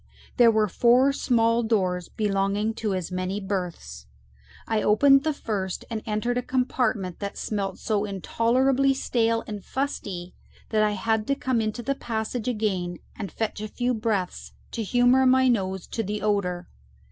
There were four small doors, belonging to as many berths; I opened the first, and entered a compartment that smelt so intolerably stale and fusty that I had to come into the passage again and fetch a few breaths to humour my nose to the odour.